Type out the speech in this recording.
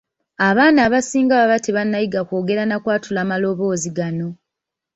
Abaana abasinga baba tebannayiga kwogera na kwatula maloboozi gano.